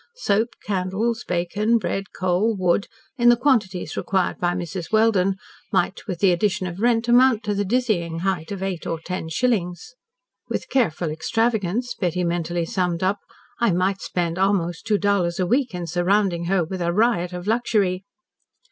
Soap, candles, bacon, bread, coal, wood, in the quantities required by Mrs. Welden, might, with the addition of rent, amount to the dizzying height of eight or ten shillings. "With careful extravagance," Betty mentally summed up, "I might spend almost two dollars a week in surrounding her with a riot of luxury."